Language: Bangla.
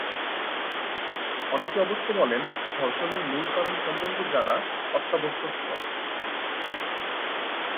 অনেকে অবশ্য বলেন, ধর্ষণের মূল কারণ সম্বন্ধে জানা অত্যাবশ্যকীয়।